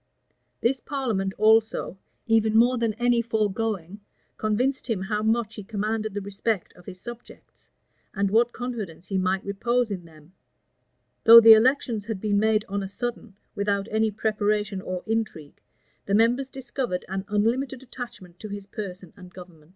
This parliament also, even more than any foregoing, convinced him how much he commanded the respect of his subjects, and what confidence he might repose in them. Though the elections had been made on a sudden, without any preparation or intrigue, the members discovered an unlimited attachment to his person and government.